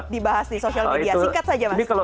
dibahas di social media